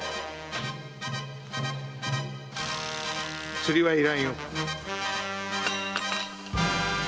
釣りはいらんよ。